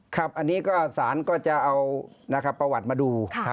ครับอันนี้ก็สารก็จะเอาประวัติมาดู